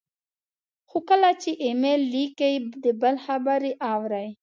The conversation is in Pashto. خو کله چې ایمیل لیکئ، د بل خبرې اورئ،